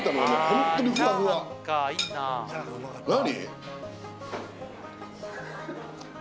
本当にふわふわ何？